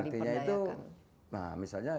artinya itu misalnya